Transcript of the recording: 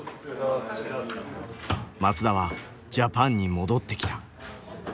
松田はジャパンに戻ってきた。